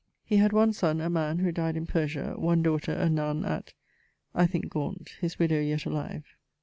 He had one son, a man, who dyed in Persia; one daughter, a nunne at ... (I thinke, Gaunt). His widowe yet alive.